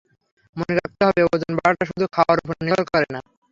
মনে রাখতে হবে, ওজন বাড়াটা শুধু খাওয়ার ওপর নির্ভর করে না।